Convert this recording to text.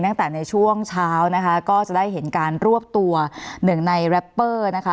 ตั้งแต่ในช่วงเช้านะคะก็จะได้เห็นการรวบตัวหนึ่งในแรปเปอร์นะคะ